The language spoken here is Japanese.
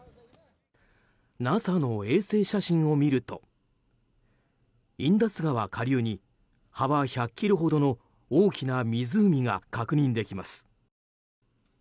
ＮＡＳＡの衛星写真を見るとインダス川下流に幅１００ｋｍほどの大きな湖が確認できます。